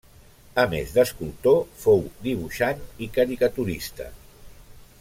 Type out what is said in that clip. A més d'escultor fou dibuixant i caricaturista.